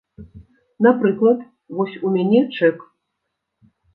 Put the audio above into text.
Напрыклад, вось у мяне чэк.